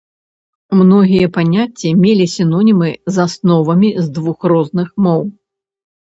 Многія паняцці мелі сінонімы з асновамі з двух розных моў.